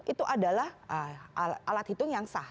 itu adalah alat hitung yang sah